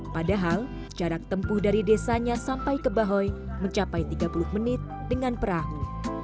padahal jarak tempuh dari desanya sampai ke bahoy mencapai tiga puluh menit dengan perahu